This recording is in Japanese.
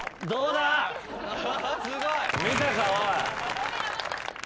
・すごい。